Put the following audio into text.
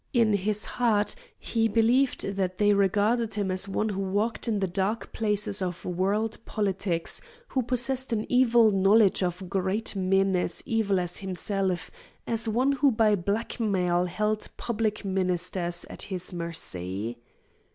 In his heart he believed that they regarded him as one who walked in the dark places of world politics, who possessed an evil knowledge of great men as evil as himself, as one who by blackmail held public ministers at his mercy.